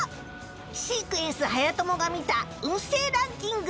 シークエンスはやともが見た運勢ランキング